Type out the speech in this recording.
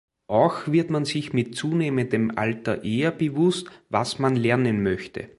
Auch wird man sich mit zunehmendem Alter eher bewusst, was man lernen möchte.